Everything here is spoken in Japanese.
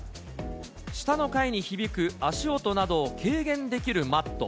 下の階に響く足音などを軽減できるマット。